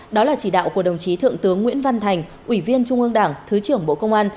đó là chỉ đạo của đồng chí thượng tướng nguyễn văn thành ủy viên trung ương đảng thứ trưởng bộ công an